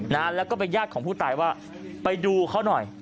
นะแล้วก็ไปญาติของผู้ตายว่าไปดูเขาหน่อย